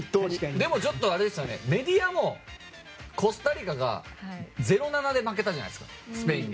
でも、メディアもコスタリカが０−７で負けたじゃないですかスペインに。